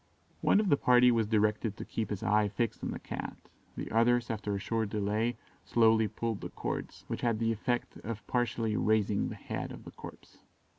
One of the party was directed to keep his eye fixed on the Cat, the others after a short delay slowly pulled the cords, which had the effect of partially raising the head of the corpse.